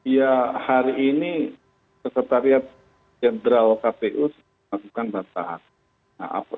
ya hari ini kepertarian jenderal kpu melakukan bantahan